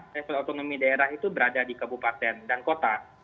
level otonomi daerah itu berada di kabupaten dan kota